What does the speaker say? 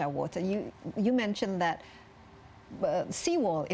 jadi kita harus memisahkan kebutuhan untuk reklamasi